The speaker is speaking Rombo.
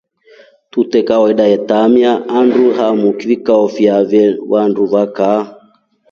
Tute kawaida ya taamiya andu hamu vikao fya vye vandu vakaa.